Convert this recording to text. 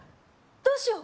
どうしよう